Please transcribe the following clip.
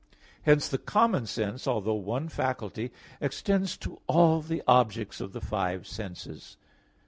Hence the common sense, although one faculty, extends to all the objects of the five senses.